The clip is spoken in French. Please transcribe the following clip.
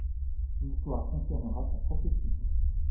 L'histoire confirmera sa prophétie.